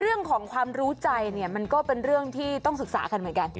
เรื่องของความรู้ใจเนี่ยมันก็เป็นเรื่องที่ต้องศึกษากันเหมือนกัน